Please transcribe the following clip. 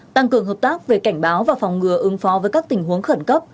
tăng cường hợp tác về cảnh báo và phòng ngừa ứng phó với các tình huống khẩn cấp